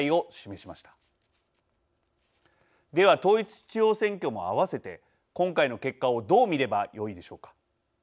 では統一地方選挙も合わせて今回の結果をどう見ればよいでしょうか。